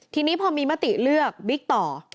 ทีนี้พอมีมติเลือกบิ๊กต่อ